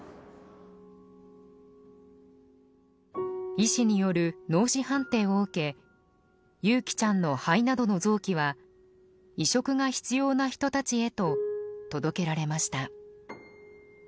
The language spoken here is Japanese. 医師による脳死判定を受け優希ちゃんの肺などの臓器は移植が必要な人たちへと届けられました。